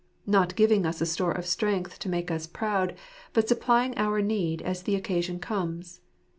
Not giving us a store of strength to make us proud, but supplying our need as the occasion comes.